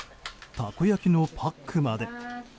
たこ焼きのパックまで。